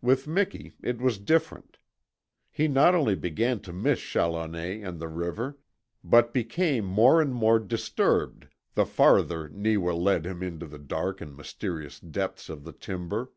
With Miki it was different. He not only began to miss Challoner and the river, but became more and more disturbed the farther Neewa led him into the dark and mysterious depths of the timber.